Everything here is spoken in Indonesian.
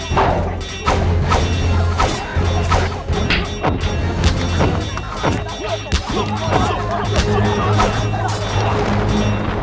kamu pasti akan mengerti